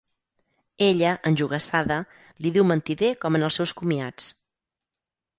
Ella, enjogassada, li diu mentider com en els seus comiats.